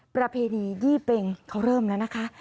ประเพณียี่เป็งเขาเริ่มแล้วนะคะ